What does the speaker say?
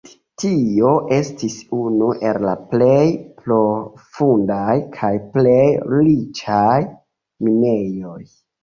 Tio estis unu el la plej profundaj kaj plej riĉaj minejoj.